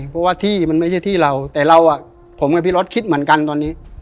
เพราะว่าที่มันไม่ใช่ที่เราแต่เราอ่ะผมกับพี่รถคิดเหมือนกันตอนนี้